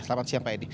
selamat siang pak edy